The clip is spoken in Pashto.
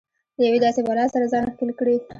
له يوې داسې بلا سره ځان ښکېل کړي.